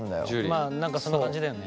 まあ何かそんな感じだよね。